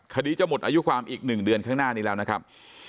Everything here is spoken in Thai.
คดีจะหมดอายุความอีก๑เดือนข้างหน้านี้แล้วนะครับ